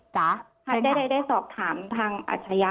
ถ้าได้ได้สอบถามทางอัชยา